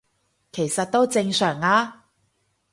其實都正常吖